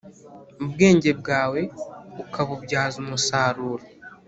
ubwenge bwawe ukabubyaza umusaruro.